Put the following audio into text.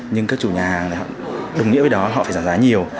nhưng các chủ nhà hàng đồng nghĩa với đó là họ phải giảm giá nhiều